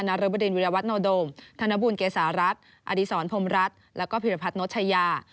นรบดินวิรวัตโนโดมธนบุญเกษารัฐอดีศรพรมรัฐแล้วก็พิรพัฒนชายา